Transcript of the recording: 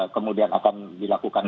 kemudian akan dilakukan